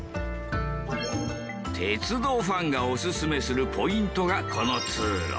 鉄道ファンがオススメするポイントがこの通路。